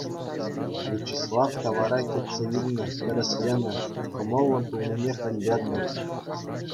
Вячеслав тавара кӗтсе илнӗ, тӗрӗсленӗ, кӑмӑллӑ пулнине пӗлтернӗ.